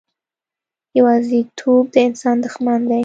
یوازیتوب د انسان دښمن دی.